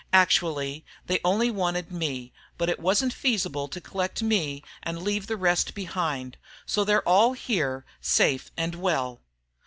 Actually, they only wanted me, but it wasn't feasible to collect me and leave the rest behind, so they're all here, safe and well.